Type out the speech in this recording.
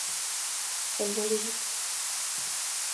Elle vient d'Égypte.